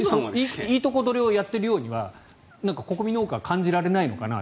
いいとこ取りをやっているようには国民の多くは感じられないのかなと。